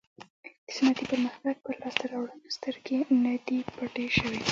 د صنعتي پرمختګ پر لاسته راوړنو سترګې نه دي پټې شوې.